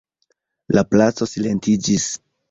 La placo silentiĝis.